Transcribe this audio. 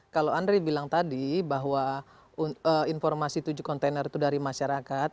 kalau andri bilang tadi bahwa informasi tujuh kontainer itu dari masyarakat